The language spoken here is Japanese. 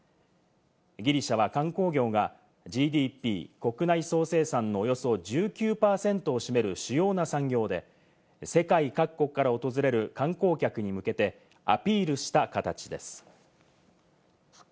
ギリシャは観光業がＧＤＰ＝国内総生産のおよそ１９％を占める主要な産業で、世界各国から訪れる観光客に向けてアピールした形です。